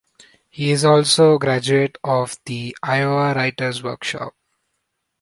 He is also a graduate of the Iowa Writers' Workshop.